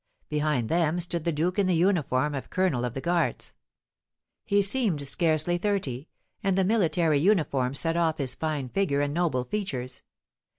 Behind them stood the duke in the uniform of colonel of the guards. He seemed scarcely thirty, and the military uniform set off his fine figure and noble features.